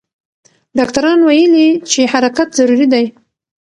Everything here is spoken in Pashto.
ډاکټران ویلي چې حرکت ضروري دی.